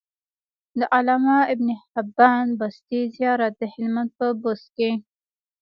د علامه ابن حبان بستي زيارت د هلمند په بست کی